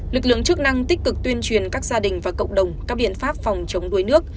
lực lượng chức năng tích cực tuyên truyền các gia đình và cộng đồng các biện pháp phòng chống đuối nước